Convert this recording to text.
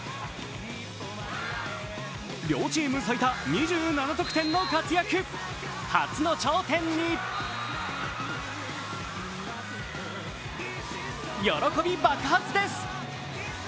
両チーム最多２７得点の活躍、初の頂点に喜び爆発です。